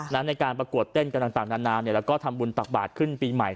ในการประกวดเต้นกันต่างนานแล้วก็ทำบุญตักบาทขึ้นปีใหม่